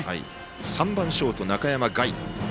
３番、ショート、中山凱。